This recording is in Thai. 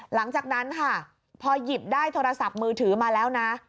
หลังจากนั้นค่ะพอหยิบได้โทรศัพท์มือถือมาแล้วนะ